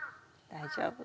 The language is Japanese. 大丈夫？